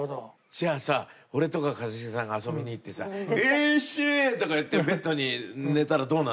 じゃあさ俺とか一茂さんが遊びに行ってさ「よいしょ！」とか言ってベッドに寝たらどうなるの？